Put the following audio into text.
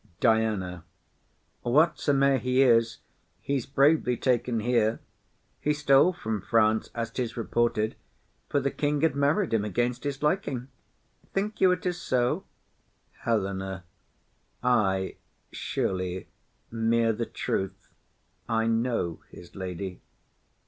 DIANA. Whatsome'er he is, He's bravely taken here. He stole from France, As 'tis reported, for the king had married him Against his liking. Think you it is so? HELENA. Ay, surely, mere the truth; I know his lady.